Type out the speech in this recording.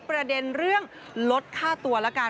ประเด็นเรื่องลดค่าตัวแล้วกัน